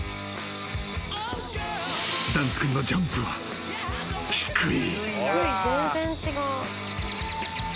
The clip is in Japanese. ［ダンス君のジャンプは低い］